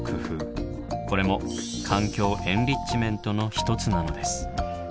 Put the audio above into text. これも「環境エンリッチメント」の一つなのです。